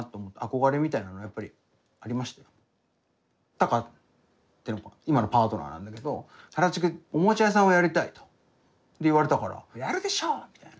タカっていうのは今のパートナーなんだけど原宿おもちゃ屋さんをやりたいと言われたからやるでしょう！みたいな。